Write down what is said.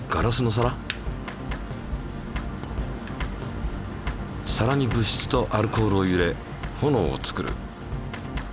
皿に物質とアルコールを入れ炎を作る。